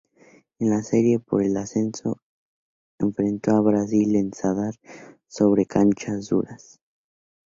En la serie por el ascenso, enfrentó a Brasil en Zadar, sobre canchas duras.